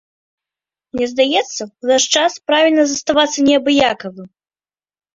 Мне здаецца, у наш час правільна заставацца неабыякавым.